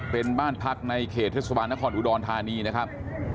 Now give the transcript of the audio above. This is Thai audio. เป็นบ้านพักในเขตเทศบาลนครอุดรธานีนะครับ